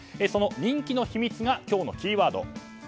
その人気の秘密が今日のキーワード。